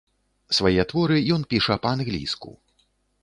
Свае творы ён піша па-англійску.